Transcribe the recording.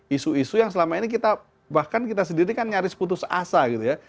isu isu yang selama ini kita bahkan kita sendiri kan nyaris putus asa gitu ya